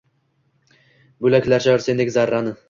Бўлаклашар сендек заррани